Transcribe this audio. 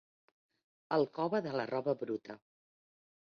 El cove de la roba bruta.